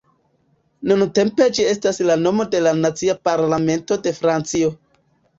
Nuntempe ĝi estas la nomo de la nacia parlamento de Francio.